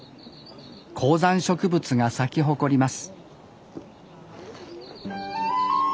高山植物が咲き誇ります